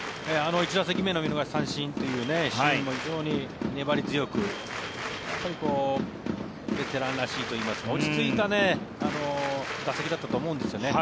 １打席目の見逃し三振というシーンも非常に粘り強くベテランらしいといいますか落ち着いた打席だったと思うんですよね。